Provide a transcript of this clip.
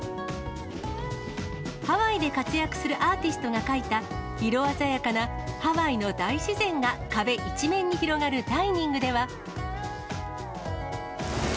ハワイで活躍するアーティストが描いた色鮮やかなハワイの大自然が壁一面に広がるダイニングでは。